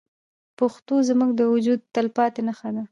پښتو زموږ د وجود تلپاتې نښه ده.